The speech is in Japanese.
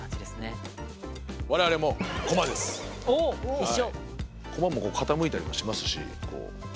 一緒！